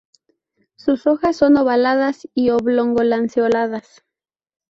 Sus hojas son ovaladas y oblongo-lanceoladas.